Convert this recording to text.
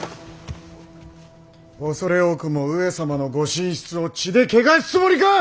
恐れ多くも上様のご寝室を血で穢すつもりか！